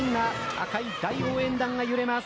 赤い大応援団が揺れます。